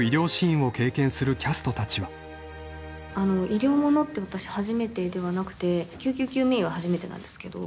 医療ものって私初めてではなくて救急救命医は初めてなんですけど。